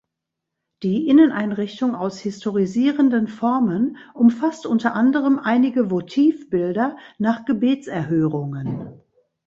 Die Inneneinrichtung aus historisierenden Formen umfasst unter anderem einige Votivbilder nach Gebetserhörungen.